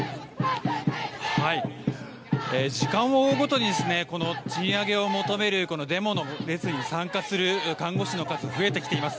時間を追うごとに賃上げを求めるデモの列に参加する看護師の数増えてきています。